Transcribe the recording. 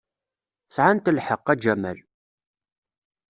Sɛant lḥeqq, a Jamal.